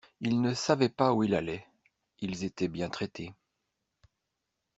Il ne savait pas où il allait. Ils étaient bien traités